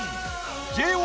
ＪＯ